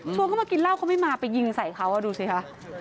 เข้ามากินเหล้าเขาไม่มาไปยิงใส่เขาดูสิคะ